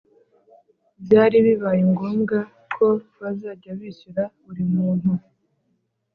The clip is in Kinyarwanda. byari bibaye ngombwa ko bazajya bishyura burimuntu